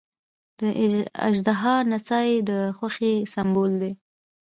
د اژدها نڅا یې د خوښۍ سمبول دی.